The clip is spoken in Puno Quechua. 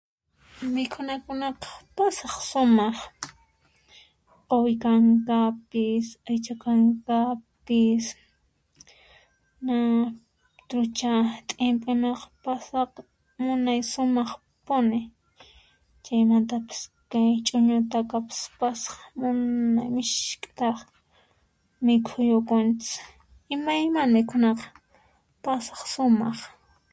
Mikhunakunaqa, pasaq sumaq: Quwi kankapis , aycha kankapis, (na) trucha t'impu, (nuq) pasaq munay sumaqpuni, chaymantapis kay ch'uñu takapis pasaq munay michk'itaraq mikhuyukunchis imaymana mikhunapaq pasaq sumaq.